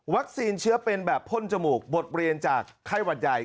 เชื้อเป็นแบบพ่นจมูกบทเรียนจากไข้หวัดใหญ่